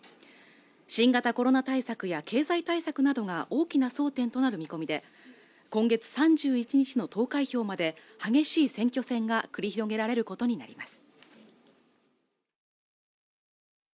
新型コロナ対策や経済対策などが大きな争点となる見込みで今月３１日の投開票まで激しい選挙戦が繰り広げられることになります